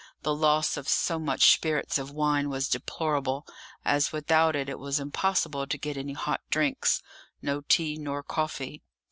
The loss of so much spirits of wine was deplorable, as without it it was impossible to get any hot drinks no tea nor coffee.